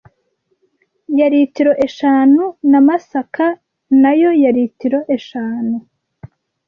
ya litiro eshanu na Masaka nayo ya litiro eshanu